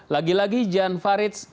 lagi lagi jan farid